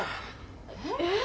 えっ？